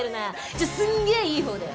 じゃあすんげえいいほうで。